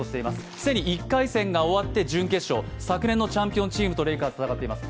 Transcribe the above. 既に１回戦が終わった準決勝昨年のチャンピオンチームとレイカーズ、戦っています。